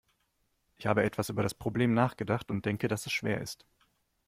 Ich habe etwas über das Problem nachgedacht und denke, dass es schwer ist.